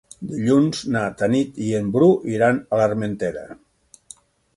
Dilluns na Tanit i en Bru iran a l'Armentera.